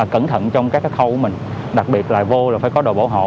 cẩn thận trong các cái khâu của mình đặc biệt là vô là phải có đồ bảo hộ